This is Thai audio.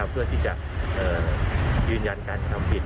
เพื่อที่จะยืนยันการกระทำผิด